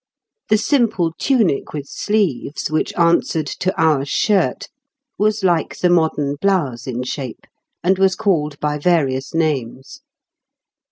The simple tunic with sleeves, which answered to our shirt, was like the modern blouse in shape, and was called by various names.